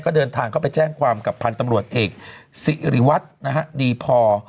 ก็เดินทางเข้าไปแจ้งความกับพันธุ์ตำรวจเอกสิริวัตรนะฮะดีพอ